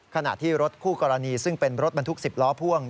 ขณะที่รถคู่กรณีซึ่งเป็นรถบรรทุก๑๐ล้อพ่วง